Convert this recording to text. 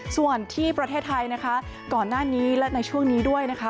ส่วนที่ประเทศไทยนะคะก่อนหน้านี้และในช่วงนี้ด้วยนะคะ